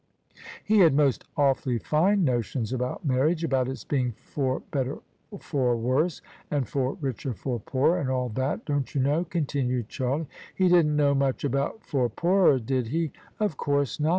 "He had most awfully fine notions about marriage: about its being ' for better for worse * and * for richer for poorer,' and all that, don't you know?" continued Charlie. " He didn't know much about ' for poorer,' did he? " "Of course not.